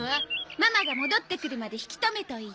ママが戻ってくるまで引き止めといて。